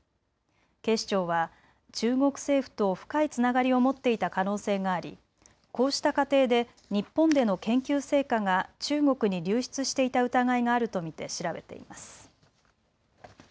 警視庁は中国政府と深いつながりを持っていた可能性があり、こうした過程で日本での研究成果が中国に流出していた疑いがあると見て調べています。